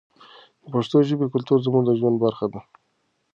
د پښتو ژبې کلتور زموږ د ژوند برخه ده.